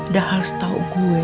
dahal setau gue